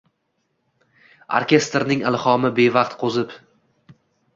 orkestrning ilhomi bevaqt qoʻzib